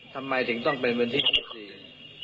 ทำไมถึงต้องเป็นวันที่๑๔